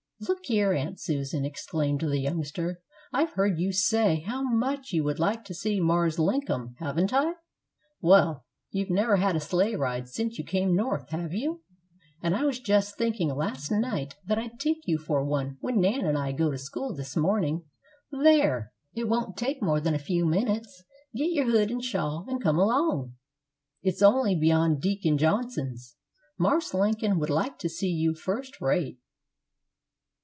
"Look here, Aunt Susan," exclaimed the youngster, "I've heard you say how much you would like to see 'Marse Linkum,' haven't I? Well, you've never had a sleigh ride since you come North, have you? And I was just thinking last night that I'd take you for one when Nan and I go to school this morning. There! it won't take more'n a few minutes. Get your hood and shawl, and come along; it's only beyond Deacon Johnson's. Marse Lincoln would like to see you first rate."